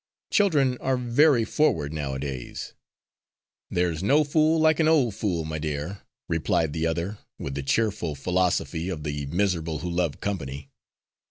"Children are very forward nowadays." "There's no fool like an old fool, my dear," replied the other with the cheerful philosophy of the miserable who love company.